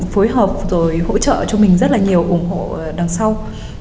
phối hợp rồi hỗ trợ cho mình rất là nhiều ủng hộ đằng sau